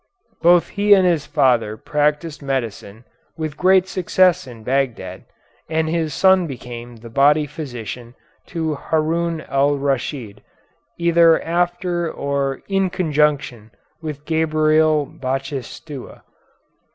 Both he and his father practised medicine with great success in Bagdad, and his son became the body physician to Harun al Raschid either after or in conjunction with Gabriel Bachtischua.